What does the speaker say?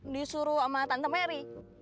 disuruh sama tante mary